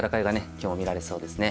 今日も見られそうですね。